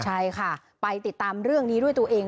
ใช่ค่ะไปติดตามเรื่องนี้ด้วยตัวเอง